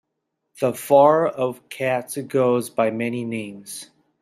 The fur of cats goes by many names.